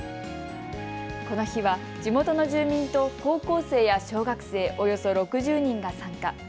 この日は地元の住民と高校生や小学生、およそ６０人が参加。